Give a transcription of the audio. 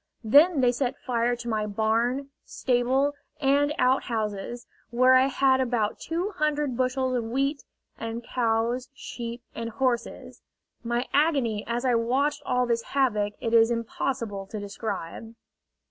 Then they set fire to my barn, stable, and outhouses, where I had about two hundred bushels of wheat, and cows, sheep, and horses. My agony as I watched all this havoc it is impossible to describe.